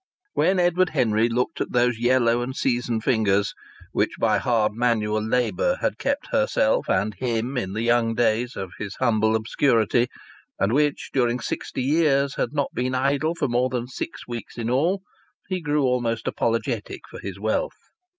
When Edward Henry looked at those yellow and seasoned fingers, which by hard manual labour had kept herself and him in the young days of his humble obscurity, and which during sixty years had not been idle for more than six weeks in all, he grew almost apologetic for his wealth.